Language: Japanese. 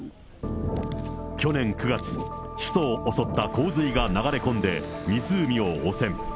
去年９月、首都を襲った洪水が流れ込んで、湖を汚染。